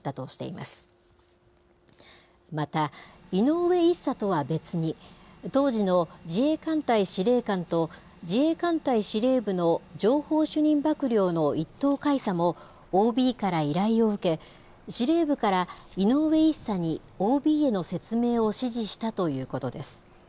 また、井上１佐とは別に、当時の自衛艦隊司令官と自衛艦隊司令部の情報主任幕僚の１等海佐も、ＯＢから依頼を受け、司令部から井上１佐にＯＢへの説明を指示したということです。